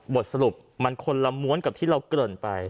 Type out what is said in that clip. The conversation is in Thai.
บทสรุปมันคนละม้วนกับที่เราเกริ่นไป